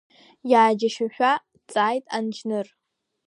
Иааџьашьашәа дҵааит анџьныр.